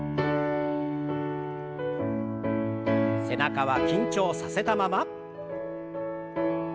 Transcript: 背中は緊張させたまま。